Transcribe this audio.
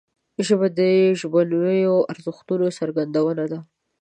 ژبه د ژبنیو ارزښتونو څرګندونه ده